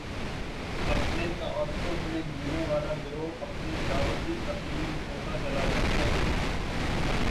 اپنے تعصب میں جینے والا گروہ اپنی دعوتی اپیل کھوتا چلا جاتا ہے۔